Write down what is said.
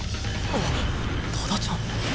あっ多田ちゃん